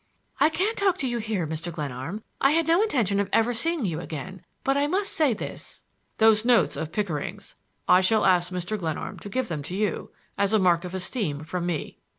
"I can't talk to you here, Mr. Glenarm; I had no intention of ever seeing you again; but I must say this—" "Those notes of Pickering's—I shall ask Mr. Glenarm to give them to you—as a mark of esteem from me."